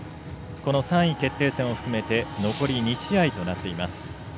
この３位決定戦を含めて残り２試合となっています。